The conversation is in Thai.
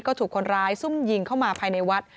ก็ถูกคนร้ายซุ่มยิงเข้ามาภายในวัด